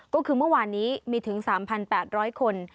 ก็คือเมื่อวานนี้มีถึง๓๘๐๐คน